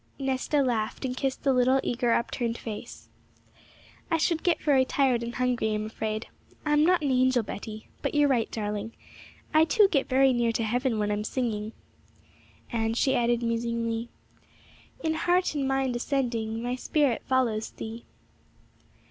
Nesta laughed, and kissed the little eager, up turned face. 'I should get very tired and hungry, I'm afraid. I am not an angel, Betty; but you're right, darling. I, too, get very near to heaven when I'm singing;' and she added musingly, In heart and mind ascending, My spirit follows Thee.'